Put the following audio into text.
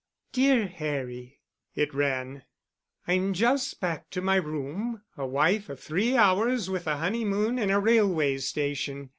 "Dear Harry" (it ran): "I'm just back to my room, a wife of three hours with a honeymoon in a railway station!